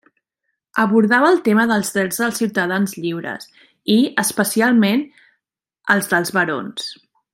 Abordava el tema dels drets dels ciutadans lliures i, especialment els dels barons.